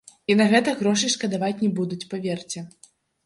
І на гэта грошай шкадаваць не будуць, паверце.